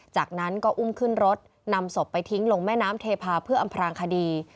จากนั้นก็อุ้มขึ้นรถนำศพไปทิ้งลงแม่น้ำเทพาเพื่ออำพรางคดี